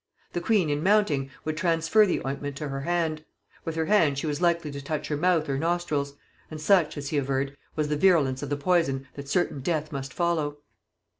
The queen in mounting would transfer the ointment to her hand; with her hand she was likely to touch her mouth or nostrils; and such, as he averred, was the virulence of the poison that certain death must follow.